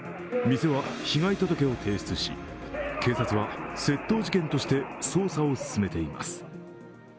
店は被害届を提出し警察は、窃盗事件として捜査を進めています。